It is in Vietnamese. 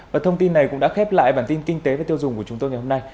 và thông tin này cũng đã khép lại bản tin kinh tế và tiêu dùng của chúng tôi ngày hôm nay